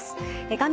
画面